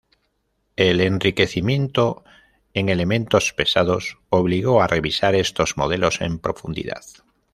El enriquecimiento en elementos pesados obligó a revisar estos modelos en profundidad.